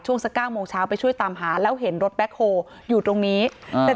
สักเก้าโมงเช้าไปช่วยตามหาแล้วเห็นรถแบ็คโฮลอยู่ตรงนี้แต่